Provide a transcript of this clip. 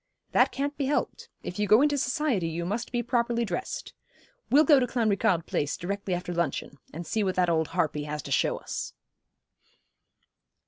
'That can't be helped. If you go into society you must be properly dressed. We'll go to Clanricarde Place directly after luncheon, and see what that old harpy has to show us.'